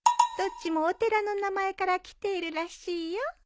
どっちもお寺の名前からきているらしいよ。